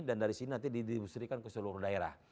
dan dari sini nanti didistribusikan ke seluruh daerah